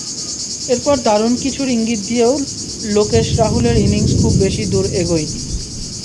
এরপর দারুণ কিছুর ইঙ্গিত দিয়েও লোকেশ রাহুলের ইনিংস খুব বেশি দূর এগোয়নি।